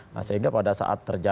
nah sehingga pada saat terjadi